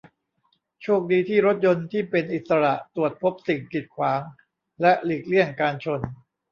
โชคดีที่รถยนต์ที่เป็นอิสระตรวจพบสิ่งกีดขวางและหลีกเลี่ยงการชน